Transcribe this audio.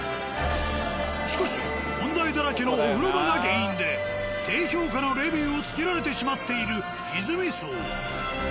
しかし問題だらけのお風呂場が原因で低評価のレビューを付けられてしまっているいづみ荘。